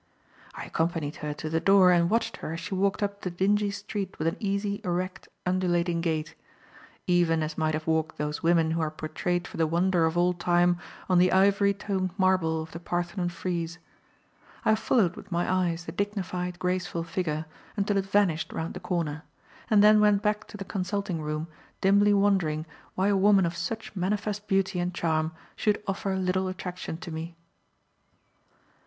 I accompanied her to the door and watched her as she walked up the dingy street with an easy, erect, undulating gait; even as might have walked those women who are portrayed for the wonder of all time on the ivory toned marble of the Parthenon frieze. I followed with my eyes the dignified, graceful figure until it vanished round the corner, and then went back to the consulting room dimly wondering why a woman of such manifest beauty and charm should offer little attraction to me.